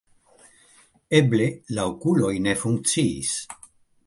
Eble, la okuloj ne funkciis.